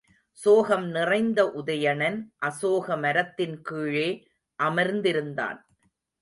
சோகம் நிறைந்த உதயணன் அசோக மரத்தின் கீழே அமர்ந்திருந்தான்.